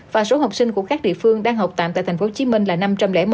và số học sinh của các địa phương đang học tạm tại tp hcm là năm trăm linh một